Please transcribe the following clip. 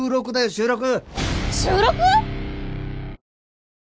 収録！？